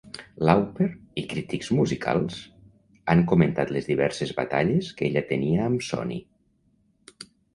Lauper, i crítics musicals, han comentat les diverses batalles que ella tenia amb Sony.